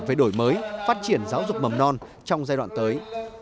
về đổi mới phát triển giáo dục mầm non trong giai đoạn tới